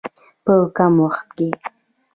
په کم وخت کې.